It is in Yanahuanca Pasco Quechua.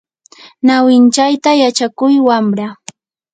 ñawinchayta yachakuy wamra.